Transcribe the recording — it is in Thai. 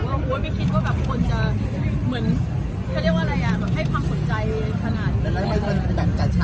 เราก็ไม่คิดว่าคนจะให้ความสนใจขนาดนี้